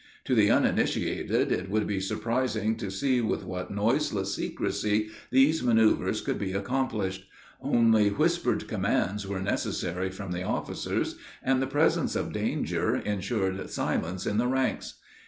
To the uninitiated it would be surprising to see with what noiseless secrecy these manoeuvers could be accomplished. Only whispered commands were necessary from the officers, and the presence of danger insured silence in the ranks.